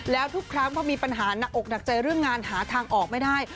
แล้วทุกครั้งพอมีปัญหาหนักอกหนักใจเรื่องงานหาทางออกไม่ได้